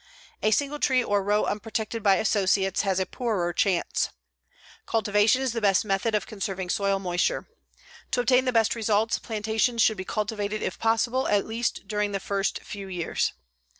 A single tree or row unprotected by associates has a poorer chance. Cultivation is the best method of conserving soil moisture. To obtain the best results plantations should be cultivated, if possible, at least during the first few years.